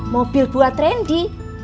mobil buat rendy